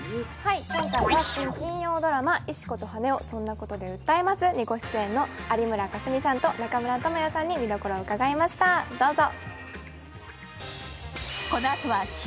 今回は新金曜ドラマ「石子と羽男−そんなコトで訴えます？−」の有村架純さんと中村倫也さんに見どころを伺いました、どうぞ。